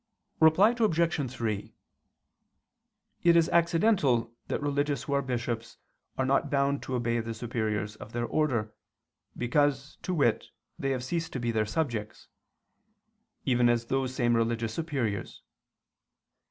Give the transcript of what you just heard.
Reply Obj. 3: It is accidental that religious who are bishops are not bound to obey the superiors of their order, because, to wit, they have ceased to be their subjects; even as those same religious superiors.